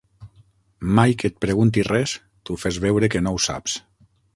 Mai que et pregunti res, tu fes veure que no ho saps.